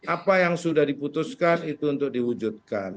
apa yang sudah diputuskan itu untuk diwujudkan